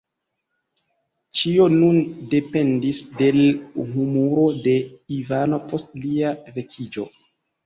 Ĉio nun dependis de l' humoro de Ivano post lia vekiĝo.